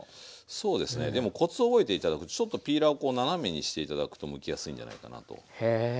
そうですねでもコツを覚えて頂くとちょっとピーラーをこう斜めにして頂くとむきやすいんじゃないかなと思いますね。